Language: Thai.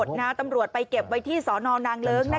พบกัมษ์คลความตำรวจไปเก็บที่สอนรนางเลิ้ง